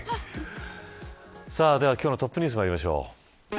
では、今日のトップニュースまいりましょう。